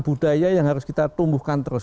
budaya yang harus kita tumbuhkan terus